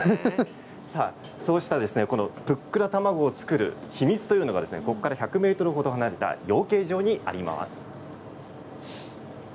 そうした、ぷっくら卵を作る秘密がここから１００ｍほど離れた養鶏場にあります。